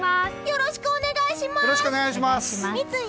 よろしくお願いします！